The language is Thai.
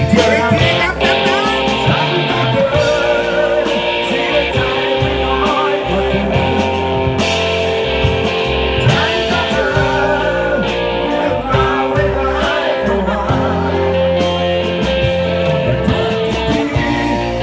ทีที่ท่านก็เกิดเสียใจไม่ง้อยกว่าทีนี้